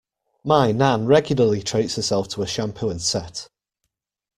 My nan regularly treats herself to a shampoo and set.